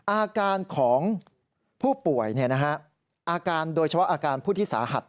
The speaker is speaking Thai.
อาการของผู้ป่วยอาการโดยเฉพาะอาการผู้ที่สาหัส